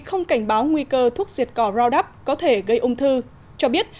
không cảnh báo nguy cơ thuốc diệt cỏ raudap có thể gây ung thư cho biết